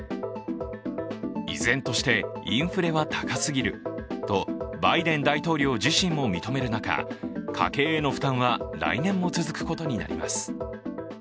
依然としてインフレは高すぎるとバイデン大統領自身も認める中、家計への負担は来年も続くことになります。